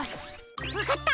わかった。